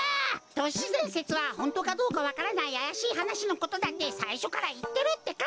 都市伝説はホントかどうかわからないあやしいはなしのことだってさいしょからいってるってか！